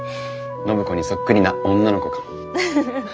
暢子にそっくりな女の子かも。